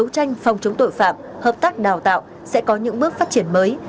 tranh phòng chống tội phạm hợp tác đào tạo sẽ có những bước phát triển mới